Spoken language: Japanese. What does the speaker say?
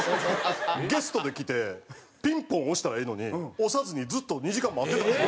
ゲストで来てピンポン押したらええのに押さずにずっと２時間待ってたんです。